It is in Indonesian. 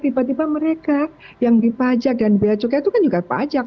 tiba tiba mereka yang dipajak dan biaya cukai itu kan juga pajak